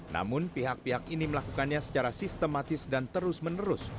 namun pihak pihak ini melakukannya secara sistematis dan terus menerus